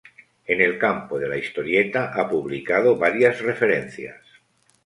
En el campo de la historieta ha publicado varias referencias.